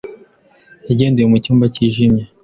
yagendeye mu cyumba cyijimye.